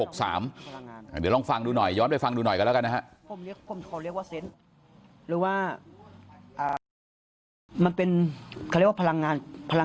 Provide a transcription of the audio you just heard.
เดี๋ยวลองฟังดูหน่อยย้อนไปฟังดูหน่อยกันแล้วกันนะครับ